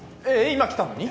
今来たのに？